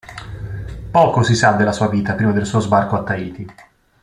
Poco si sa della sua vita prima del suo sbarco a Tahiti.